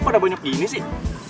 kok pada banyak gini sih